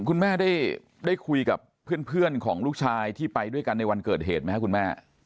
คุณแม่ได้คุยกับเพื่อนของลูกชายที่ไปด้วยกันในวันเกิดเหตุไหมครับคุณแม่